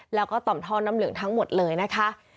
แล้วก็ต่อมท่อน้ำเหลืองทั้งหมดเลยนะคะ